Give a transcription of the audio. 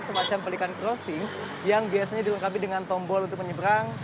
semacam pelikan crossing yang biasanya dilengkapi dengan tombol untuk menyeberang